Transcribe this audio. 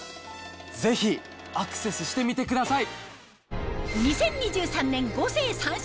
ぜひアクセスしてみてください。